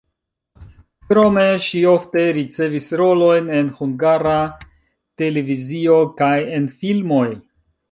Krome ŝi ofte ricevis rolojn en Hungara Televizio kaj en filmoj.